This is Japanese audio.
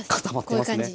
こういう感じ。